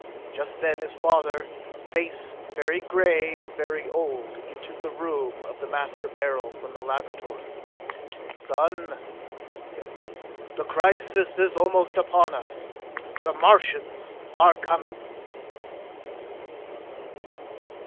Just then his father, face very gray and very old, entered the room of the Master Beryl from the laboratory. "Son!" he said. "The crisis is almost upon us! The Martians are coming!"